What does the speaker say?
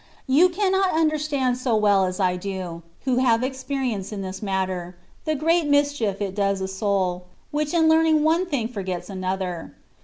You cannot understand so well as I do — ^who have experience in this matter — ^the great mischief it does a soul, which in learning one thing forgets another.